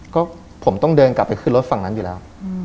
ก็ผมต้องเดินกลับไปขึ้นรถฝั่งนั้นอยู่แล้ว